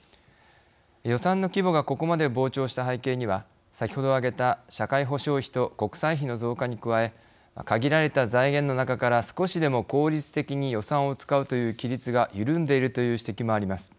予算の規模がここまで膨張した背景には先ほど挙げた社会保障費と国債費の増加に加え限られた財源の中から少しでも効率的に予算を使うという規律が緩んでいるという指摘もあります。